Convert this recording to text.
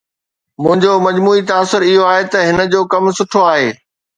منهنجو مجموعي تاثر اهو آهي ته هن جو ڪم سٺو آهي